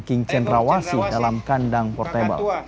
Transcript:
king cendrawasi dalam kandang portable